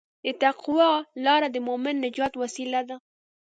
د تقوی لاره د مؤمن د نجات وسیله ده.